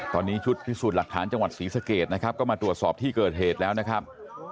ตอนนี้ชุดพิสูจน์หลักฐานจังหวัดศรีสะเกดนะครับก็มาตรวจสอบที่เกิดเหตุแล้วนะครับ